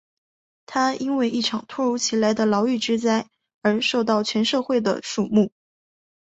他因为一场突如其来的牢狱之灾而受到全社会的瞩目。